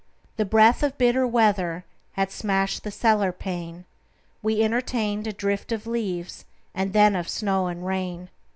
The breath of bitter weather Had smashed the cellar pane: We entertained a drift of leaves And then of snow and rain.